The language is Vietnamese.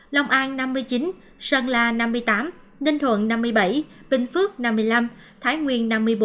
tám mươi một lòng an năm mươi chín sơn la năm mươi tám ninh thuận năm mươi bảy bình phước năm mươi năm thái nguyên